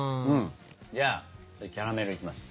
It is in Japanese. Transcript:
じゃあキャラメルいきます。